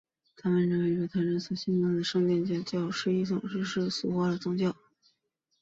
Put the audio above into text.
他们认为犹太人所信奉的圣殿犹太教是一种世俗化了的宗教。